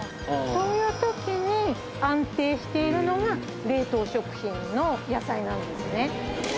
そういうときに安定しているのが冷凍食品の野菜なんですね。